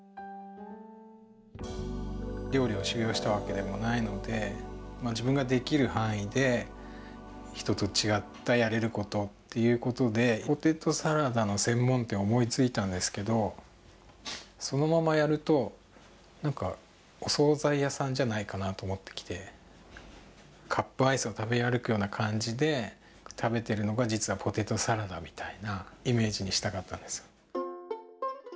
料理を修業したわけでもないので自分ができる範囲で人と違ったやれることっていうことでポテトサラダの専門店を思いついたんですけどそのままやると何かお総菜屋さんじゃないかなと思ってきてカップアイスを食べ歩くような感じで食べてるのが実はポテトサラダみたいなイメージにしたかったんですよ。